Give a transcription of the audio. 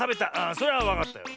それはわかったよ。